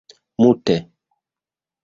mute